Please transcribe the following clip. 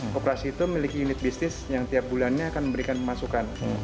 kooperasi itu memiliki unit bisnis yang tiap bulannya akan memberikan pemasukan